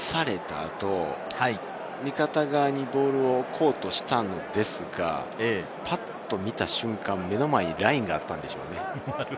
たぶん倒された後、味方側にボールをコートしたのですが、ぱっと見た瞬間、目の前にラインがあったのでしょうね。